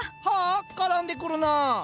はあ⁉からんでくるなあ。